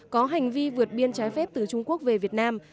có hành vi vượt biên trái phép từ trung quốc về việt nam